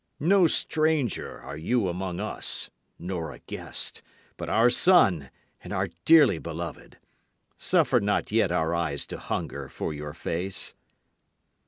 No stranger are you among us, nor a guest, but our son and our dearly beloved. Suffer not yet our eyes to hunger for your face.